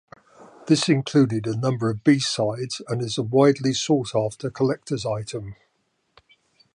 This included a number of B-sides and is a widely sought-after collector's item.